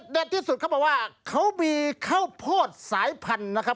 ที่สุดเขาบอกว่าเขามีข้าวโพดสายพันธุ์นะครับ